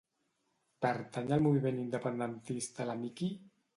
Pertany al moviment independentista la Mikey?